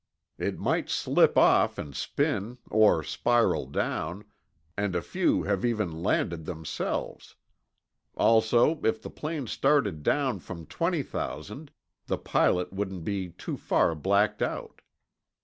"It might slip off and spin, or spiral down, and a few have even landed themselves. Also, if the plane started down from twenty thousand, the pilot wouldn't be too far blacked out.